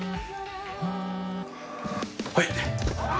はい。